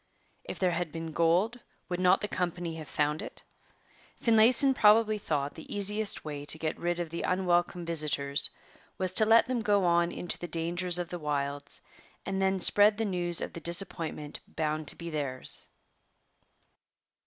If there had been gold, would not the company have found it? Finlayson probably thought the easiest way to get rid of the unwelcome visitors was to let them go on into the dangers of the wilds and then spread the news of the disappointment bound to be theirs.